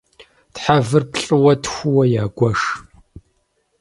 Тхьэвыр плӏыуэ-тхууэ ягуэш.